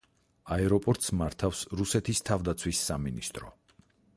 აეროპორტს მართავს რუსეთის თავდაცვის სამინისტრო.